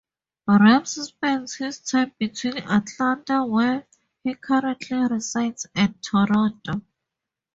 Rams spends his time between Atlanta, where he currently resides and Toronto.